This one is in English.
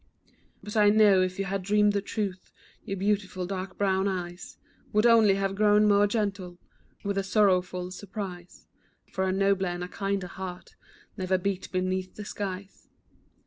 But I know if you had dreamed the truth Your beautiful dark brown eyes Would only have grown more gentle, With a sorrowful surprise; For a nobler and a kinder heart Ne'er beat beneath the skies.